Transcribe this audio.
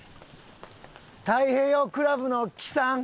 太平洋クラブの木さん。